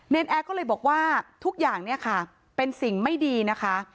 นแอร์ก็เลยบอกว่าทุกอย่างเนี่ยค่ะเป็นสิ่งไม่ดีนะคะ